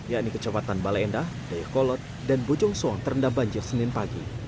yakni kecamatan bale endah dayeh kolot dan bojong soang terendam banjir senin pagi